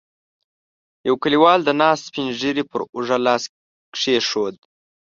يوه کليوال د ناست سپين ږيری پر اوږه لاس کېښود.